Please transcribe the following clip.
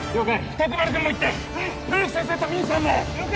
徳丸君も行って冬木先生とミンさんも了解！